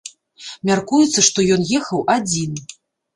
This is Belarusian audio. Мяркуецца, што ён ехаў адзін.